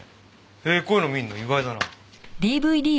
へえこういうの見るの意外だな。